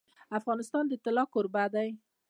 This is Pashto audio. افغانستان د طلا کوربه دی.